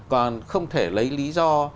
còn không thể lấy lý do